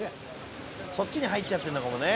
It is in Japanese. そっちに入っちゃってるのかもね？